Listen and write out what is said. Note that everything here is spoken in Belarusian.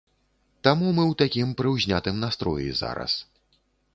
Таму мы ў такім прыўзнятым настроі зараз.